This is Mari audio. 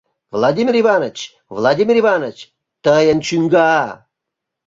— Владимир Иваныч, Владимир Иваныч, тыйын чӱҥга!